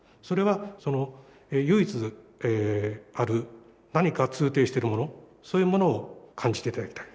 それは唯一ある何か通底してるものそういうものを感じて頂きたい。